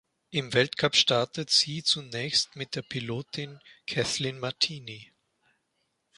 Im Weltcup startete sie zunächst mit der Pilotin Cathleen Martini.